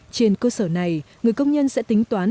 trên cơ sở này người công nhân sẽ tính toán